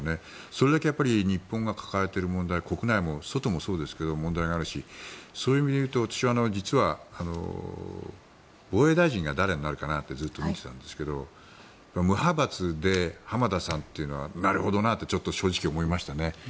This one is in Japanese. それだけ日本が抱えている問題国内も、外もそうですが問題もあるし私は実は防衛大臣が誰になるかなってずっと思ってたんですけど無派閥で浜田さんというのはなるほどなと正直思いましたね。